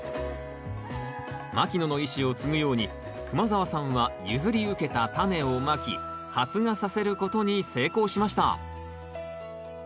牧野の遺志を継ぐように熊澤さんは譲り受けたタネをまき発芽させることに成功しました。